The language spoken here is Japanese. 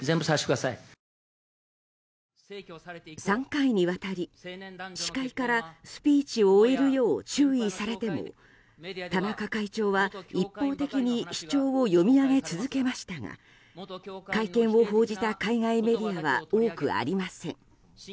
３回にわたり司会からスピーチを終えるよう注意されても田中会長は一方的に主張を読み上げ続けましたが会見を報じた海外メディアは多くありません。